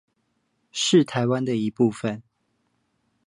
是台灣的一部分